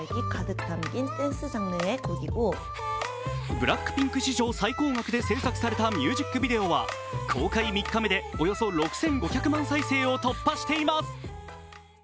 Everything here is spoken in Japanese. ＢＬＡＣＫＰＩＮＫ史上最高額で制作されたミュージックビデオは公開３日目でおよそ６５００万再生を突破しています。